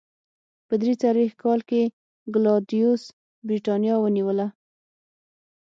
په درې څلوېښت کال کې کلاډیوس برېټانیا ونیوله.